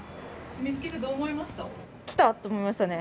見つけてどう思いました？